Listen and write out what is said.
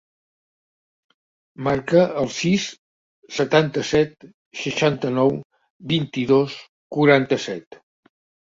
Marca el sis, setanta-set, seixanta-nou, vint-i-dos, quaranta-set.